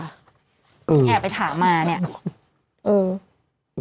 แค่ไปถามมาเนี่ย